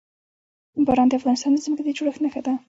باران د افغانستان د ځمکې د جوړښت نښه ده.